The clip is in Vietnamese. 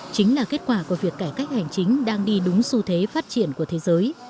chính là kết quả của việc cải cách hành chính đang đi đúng xu thế phát triển của thế giới